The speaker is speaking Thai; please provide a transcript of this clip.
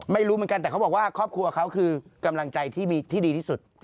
ไม่รู้เหมือนกันแต่เขาบอกว่าครอบครัวเขาคือกำลังใจที่ดีที่สุด